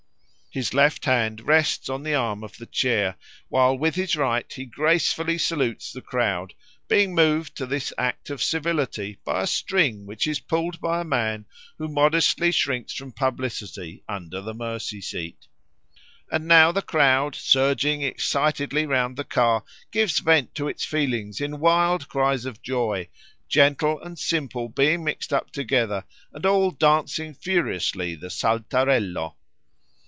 His left hand rests on the arm of the chair, while with his right he gracefully salutes the crowd, being moved to this act of civility by a string which is pulled by a man who modestly shrinks from publicity under the mercy seat. And now the crowd, surging excitedly round the car, gives vent to its feelings in wild cries of joy, gentle and simple being mixed up together and all dancing furiously the _Saltarello.